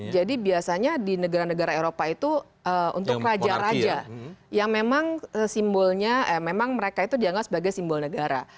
jadi biasanya di negara negara eropa itu untuk raja raja yang memang simbolnya memang mereka itu dianggap sebagai simbol negara